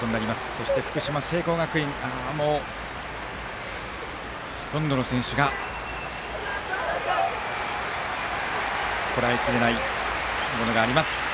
そして、福島・聖光学院はほとんどの選手がこらえ切れないものがあります。